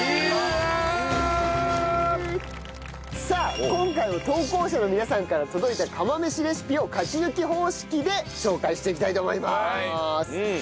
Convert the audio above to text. さあ今回も投稿者の皆さんから届いた釜飯レシピを勝ち抜き方式で紹介していきたいと思います。